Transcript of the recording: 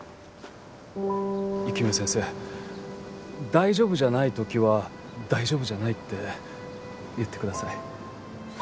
大丈夫じゃない時は大丈夫じゃないって言ってください。